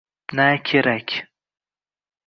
Na kerak